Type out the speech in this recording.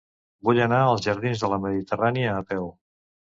Vull anar als jardins de la Mediterrània a peu.